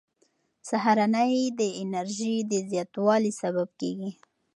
سهارنۍ د انرژۍ د زیاتوالي سبب کېږي.